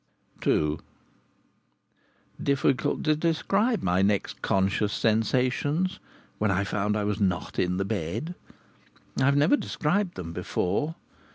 II Difficult to describe my next conscious sensations, when I found I was not in the bed! I have never described them before.